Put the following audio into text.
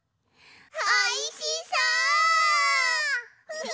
おいしそう！